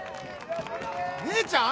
姉ちゃん！？